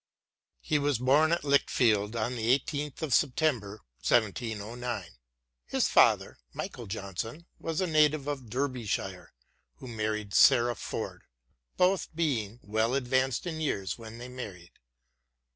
He was born at Lichfield on the i8th of September, 1709. His father, Michael Johnson, was a native of Derbyshire who married Sarah Ford, both being " well advanced in years when they married."